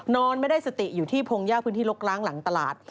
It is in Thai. นอนไม่ได้สติอยู่ที่พงยากพื้นที่ลกล้างหลังตลาด